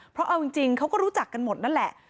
เพราะเอาจริงเขาก็รู้จักกันหมดนั่นแหละ